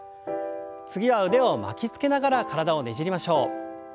次は腕を巻きつけながら体をねじりましょう。